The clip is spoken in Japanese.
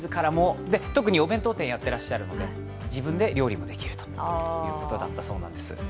特にお弁当店をやっていらっしゃるので、自分で料理もできるということだったんです。